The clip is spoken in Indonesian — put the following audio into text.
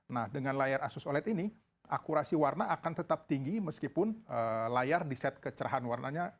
nah dengan layar asus oled ini akurasi warna akan tetap tinggi meskipun layar di set kecerahan warnanya